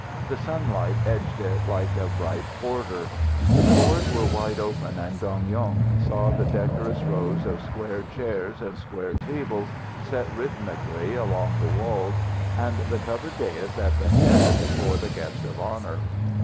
The sunlight edged it like a bright border. The floors were wide open, and Dong Yung saw the decorous rows of square chairs and square tables set rhythmically along the walls, and the covered dais at the head for the guest of honour.